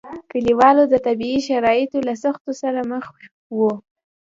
کلیوالو د طبیعي شرایطو له سختیو سره مخ وو.